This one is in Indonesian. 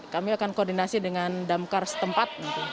kami akan koordinasi dengan damkar setempat